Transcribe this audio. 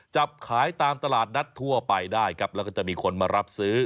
จับขายตามตลาดนัดทั่วไปได้ครับแล้วก็จะมีคนมารับซื้อ